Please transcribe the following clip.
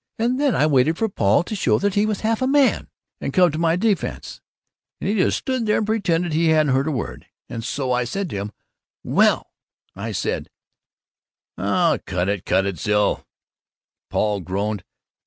And then I waited for Paul to show he was half a man and come to my defense, and he just stood there and pretended he hadn't heard a word, and so I said to him, 'Well,' I said " "Oh, cut it, cut it, Zill!" Paul groaned.